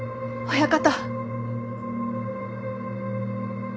親方。